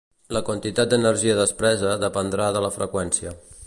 La quantitat d'energia despresa dependrà de la freqüència.